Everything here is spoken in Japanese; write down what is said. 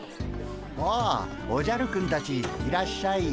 ああおじゃるくんたちいらっしゃい。